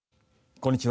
こんにちは。